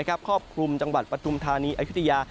ครอบคลุมจังหวัดปฐุมธานีอายุทยา